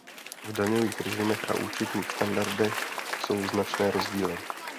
V daňových režimech a účetních standardech jsou značné rozdíly.